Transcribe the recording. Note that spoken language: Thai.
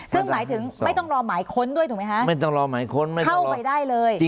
ซึ่งหมายถึงไม่ต้องรอหมายค้นด้วยถูกไหมคะไม่ต้องรอหมายค้นไม่ต้องเข้าไปได้เลย